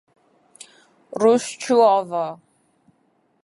Roj çû ava